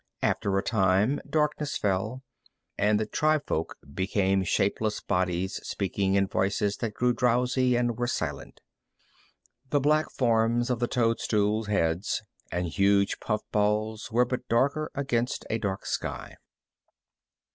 After a time darkness fell, and the tribefolk became shapeless bodies speaking in voices that grew drowsy and were silent. The black forms of the toadstool heads and huge puff balls were but darker against a dark sky.